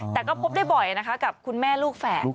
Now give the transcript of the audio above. แต่ก็พบได้บ่อยนะคะกับคุณแม่ลูกแฝด